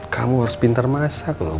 kamu harus pintar masak loh